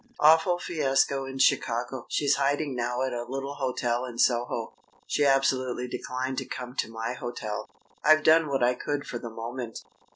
Awful fiasco in Chicago! She's hiding now at a little hotel in Soho. She absolutely declined to come to my hotel. I've done what I could for the moment.